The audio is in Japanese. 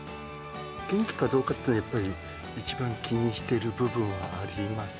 元気かどうかというのを、やっぱり一番気にしてる部分はあります。